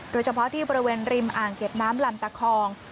โดยเฉพาะที่บริเวณริมอ่างเก็บน้ำลำตะคอง